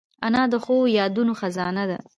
انا د ښو یادونو خزانه ده